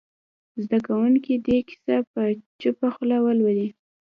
زده کوونکي دې کیسه په چوپه خوله ولولي.